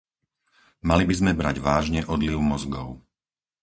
Mali by sme brať vážne odliv mozgov.